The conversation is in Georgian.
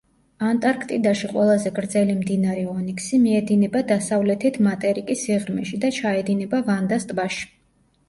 ანტარქტიდაში ყველაზე გრძელი მდინარე ონიქსი მიედინება დასავლეთით მატერიკის სიღრმეში და ჩაედინება ვანდას ტბაში.